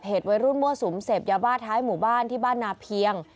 วัยรุ่นมั่วสุมเสพยาบ้าท้ายหมู่บ้านที่บ้านนาเพียง